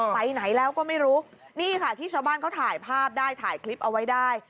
ไปไหนแล้วก็ไม่รู้นี่ค่ะที่ชาวบ้านเขาถ่ายภาพได้ถ่ายคลิปเอาไว้ได้